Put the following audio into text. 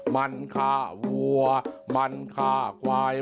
มันฆ่าวัวมันฆ่าควาย